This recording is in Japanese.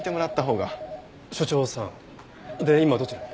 所長さんで今どちらに？